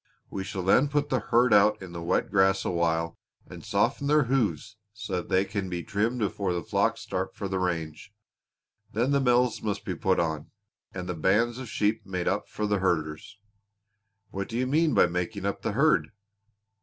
We shall then put the herd out in the wet grass a while and soften their hoofs so they can be trimmed before the flocks start for the range. Then the bells must be put on, and the bands of sheep made up for the herders." "What do you mean by making up the herd?"